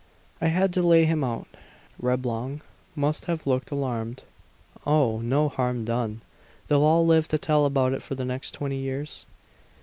I had to lay him out." Reblong must have looked alarmed. "Oh, no harm done. They'll all live to tell about it for the next twenty years."